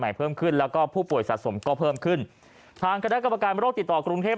เพิ่มขึ้นแล้วก็ผู้ป่วยสะสมก็เพิ่มขึ้นทางคณะกรรมการโรคติดต่อกรุงเทพ